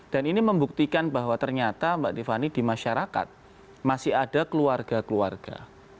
dan ini membuktikan bahwa ternyata mbak tiffany di masyarakat masih ada keluarga keluarga